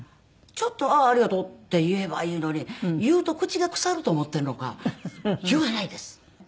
ちょっと「あっありがとう」って言えばいいのに言うと口が腐ると思ってるのか言わないです。